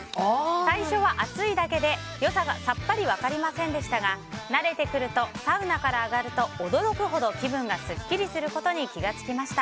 最初は暑いだけで良さがさっぱり分かりませんでしたが慣れてくるとサウナから上がると驚くほど気分がすっきりとすることに気が付きました。